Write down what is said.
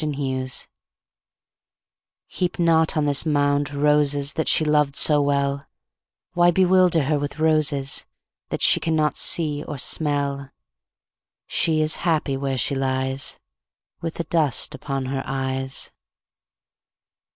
EPITAPH Heap not on this mound Roses that she loved so well; Why bewilder her with roses, That she cannot see or smell? She is happy where she lies With the dust upon her eyes.